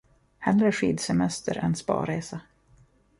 Hellre skidsemester än spa-resa.